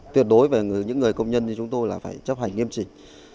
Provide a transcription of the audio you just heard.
tuyệt đối với những người công nhân như chúng tôi là phải chấp hành nghiêm trình